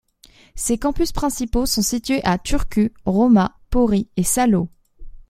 Ses campus principaux sont situés à Turku, Rauma, Pori et Salo.